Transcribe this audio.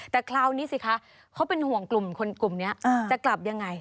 แต่คราวนี้สิคะเขาเป็นห่วงกลุ่มคนกลุ่มนี้จะกลับยังไง